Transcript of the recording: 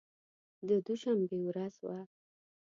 د دوشنبې ورځ وه.